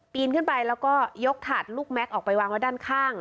นขึ้นไปแล้วก็ยกถาดลูกแม็กซ์ออกไปวางไว้ด้านข้าง